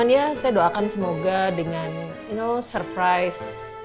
ya saya doakan semoga dengan surprise